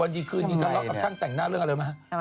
วันนี้คืนนี้กับช่างแต่งหน้าเรื่องอะไรมาฮะ